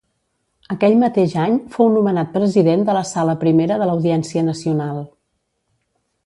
Aquell mateix any fou nomenat president de la sala primera de l'Audiència Nacional.